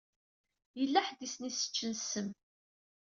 Yella ḥedd i sen-iseččen ssem.